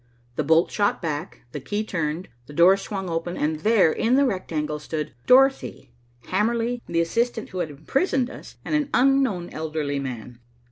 The bolt shot back, the key turned, the door swung open, and there in the rectangle stood Dorothy, Hamerly, the assistant who had imprisoned us and an unknown elderly man.